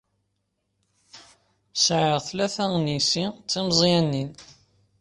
Sɛiɣ tlata n yessi d timeẓyanin.